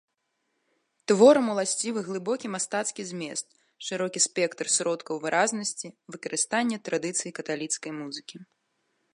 Творам уласцівы глыбокі мастацкі змест, шырокі спектр сродкаў выразнасці, выкарыстанне традыцый каталіцкай музыкі.